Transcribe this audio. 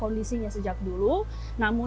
tidak ada perubahan